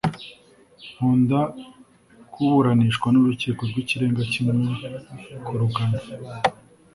nkunda kuburanishwa n’urukiko rw’ikirenga kimwe kurugana